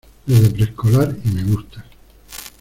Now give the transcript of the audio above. desde preescolar. y me gustas .